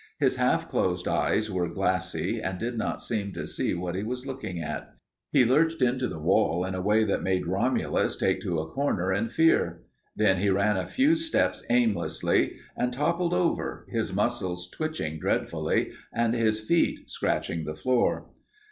His half closed eyes were glassy and did not seem to see what he was looking at. He lurched into the wall in a way that made Romulus take to a corner in fear. Then he ran a few steps aimlessly and toppled over, his muscles twitching dreadfully and his feet scratching the floor.